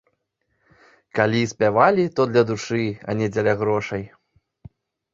Калі і спявалі, то для душы, а не дзеля грошай.